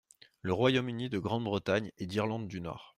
Le Royaume-Uni de Grande-Bretagne et d’Irlande du Nord.